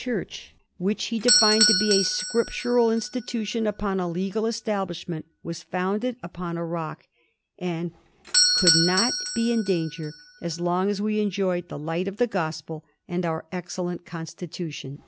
Church, which he defined to be a scriptural institution upon a legal establishment, was founded upon a rock, and * could not be in danger as long as we enjoyed the light of the Gospel and our excellent constitution.'